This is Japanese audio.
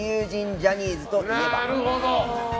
ジャニーズといえば？